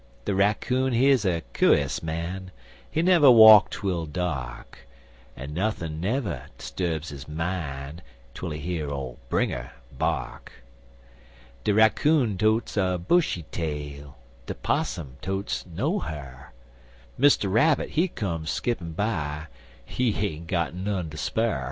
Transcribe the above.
De raccoon he's a cu'us man, He never walk twel dark, En nuthin' never 'sturbs his mine, Twel he hear ole Bringer bark. De raccoon totes a bushy tail, De 'possum totes no ha'r, Mr. Rabbit, he come skippin' by, He ain't got none ter spar'.